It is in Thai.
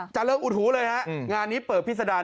จะเลิกอุดหูเลยครับงานนี้เปิดพิษดาน